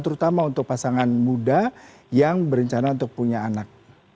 terutama untuk pasangan muda yang berencana untuk punya anak